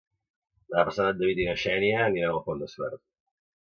Demà passat en David i na Xènia aniran al Pont de Suert.